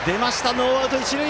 ノーアウト、一塁。